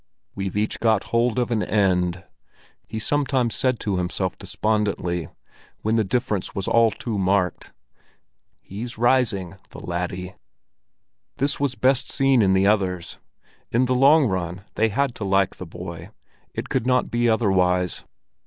"We've each got hold of an end," he sometimes said to himself despondently, when the difference was all too marked. "He's rising, the laddie!" This was best seen in the others. In the long run they had to like the boy, it could not be otherwise.